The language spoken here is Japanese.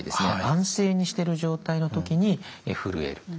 安静にしてる状態の時にふるえる。